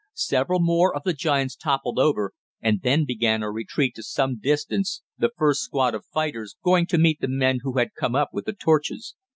Several more of the giants toppled over, and then began a retreat to some distance, the first squad of fighters going to meet the men who had come up with the torches.